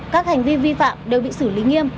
các hành vi vi phạm đều bị xử lý nghiêm